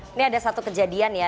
ini ada satu kejadian ya